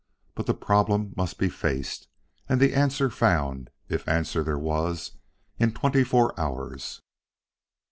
But the problem must be faced, and the answer found, if answer there was, in twenty four hours.